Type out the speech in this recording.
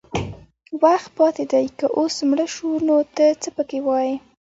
وخت پاتې دی که اوس مړه شو نو ته څه پکې وایې